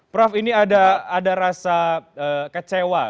prof ini ada rasa kecewa